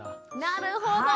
なるほど！